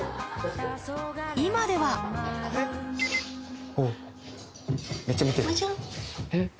今ではおっめっちゃ見てる。